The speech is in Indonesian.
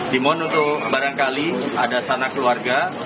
dimohon untuk barangkali ada sanak keluarga